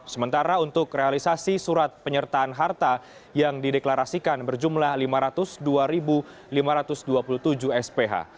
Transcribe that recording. sementara untuk realisasi surat penyertaan harta yang dideklarasikan berjumlah lima ratus dua lima ratus dua puluh tujuh sph